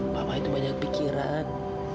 papa itu banyak pikiran